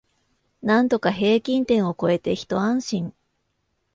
なんとか平均点を超えてひと安心